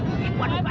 aduh aku harus tabur